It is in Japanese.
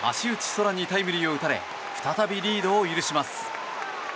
空にタイムリーを打たれ再びリードを許します。